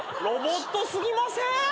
ロボットすぎません？